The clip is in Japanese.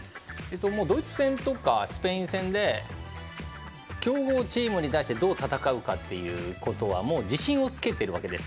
ドイツ戦とかスペイン戦で強豪チームに対してどう戦うかっていうことはもう自信をつけているわけです。